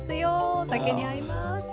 お酒に合います！